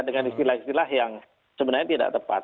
dengan istilah istilah yang sebenarnya tidak tepat